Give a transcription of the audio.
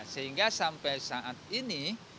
sehingga sampai saat ini